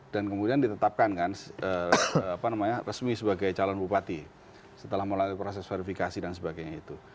dan kemudian ditetapkan kan resmi sebagai calon bupati setelah melalui proses verifikasi dan sebagainya itu